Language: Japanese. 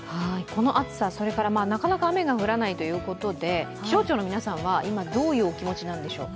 この暑さ、なかなか雨が降らないということで、気象庁の皆さんは今どういうお気持ちなんでしょう？